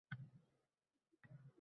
Bitta olishgan senmi endi.